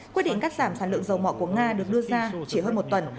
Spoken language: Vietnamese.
quyết định cắt giảm sản lượng dầu mỏ của nga được đưa ra chỉ hơn một tuần